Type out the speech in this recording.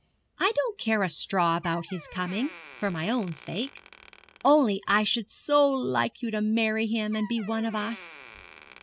I don't care a straw about his coming, for my own sake. Only I should so like you to marry him, and be one of us.